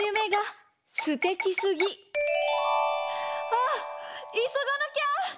ああいそがなきゃ！